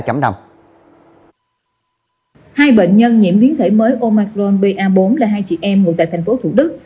hai bệnh nhân nhiễm biến thể mới omicron ba bốn là hai chị em ngồi tại thành phố thủ đức